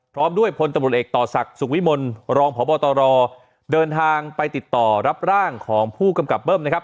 พร้อมด้วยพลตำรวจเอกต่อศักดิ์สุขวิมลรองพบตรเดินทางไปติดต่อรับร่างของผู้กำกับเบิ้มนะครับ